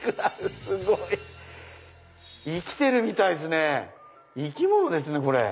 すごい！生きてるみたいですね生き物ですね